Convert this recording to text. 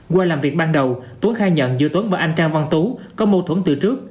qua làm việc ban đầu tuấn khai nhận giữa tuấn và anh trang văn tú có mâu thuẫn từ trước